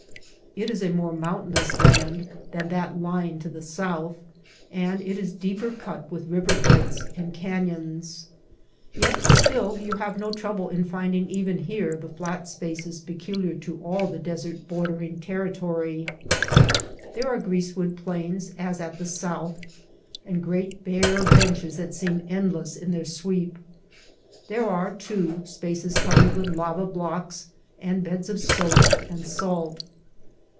It is a more mountainous land than that lying to the south, and it is deeper cut with river beds and canyons. Yet still you have no trouble in finding even here the flat spaces peculiar to all the desert bordering ter ritory. There are grease vrood plains as at the south and great bare benches that seem endless in their sweep. There are, too, spaces covered with lava blocks and beds of soda and salt.